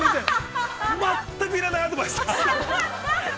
◆全く要らないアドバイスです。